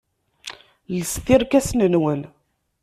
Lset irkasen-nwen.